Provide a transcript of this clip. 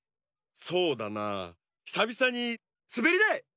そうだなひさびさにすべりだい！